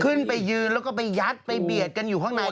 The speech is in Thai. ขึ้นไปยืนแล้วก็ไปยัดไปเบียดกันอยู่ข้างใน